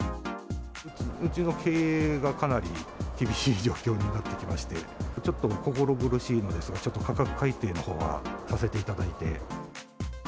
うちの経営がかなり厳しい状況になってきまして、ちょっと心苦しいのですが、ちょっと価格改定のほうはさせていただいて。